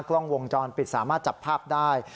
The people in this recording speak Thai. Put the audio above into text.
กล้องวงจรปิดสามารถจับภาพได้